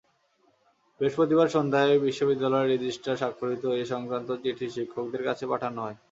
বৃহস্পতিবার সন্ধ্যায় বিশ্ববিদ্যালয়ের রেজিস্ট্রার স্বাক্ষরিত এ-সংক্রান্ত চিঠি শিক্ষকদের কাছে পাঠানো হয়।